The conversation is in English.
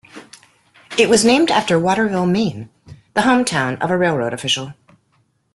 It was named after Waterville, Maine, the hometown of a railroad official.